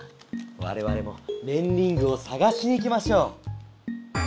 われわれもねんリングをさがしに行きましょう。